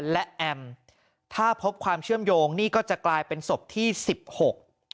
และแอมถ้าพบความเชื่อมโยงนี่ก็จะกลายเป็นศพที่สิบหก